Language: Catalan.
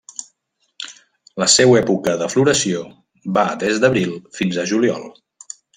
La seua època de floració va des d'abril fins a juliol.